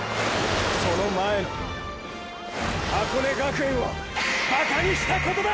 その前の箱根学園をバカにしたことだ！！